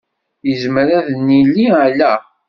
Yezmer ad d-nini ala?